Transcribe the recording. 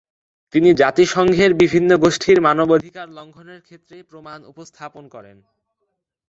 তিনি জাতিসংঘের বিভিন্ন গোষ্ঠীর মানবাধিকার লঙ্ঘনের ক্ষেত্রে প্রমাণ উপস্থাপন করেন।